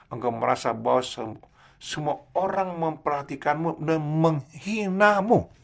engkau merasa bahwa semua orang memperhatikanmu dan menghina mu